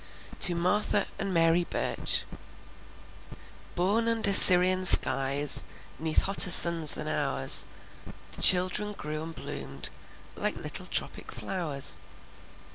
TO MARY AND MARTHA BURCH Born under Syrian skies, 'Neath hotter suns than ours; The children grew and bloomed, Like little tropic flowers.